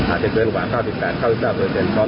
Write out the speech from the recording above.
อาจจะเกินกว่า๙๘๙๕ตอนที่เดินไปแน่นอน